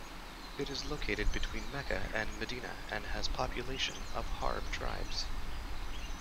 It is located between Mecca and Medina and has population of Harb tribes.